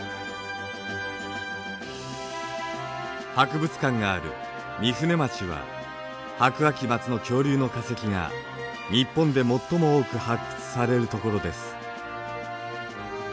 博物館がある御船町は白亜紀末の恐竜の化石が日本で最も多く発掘されるところです。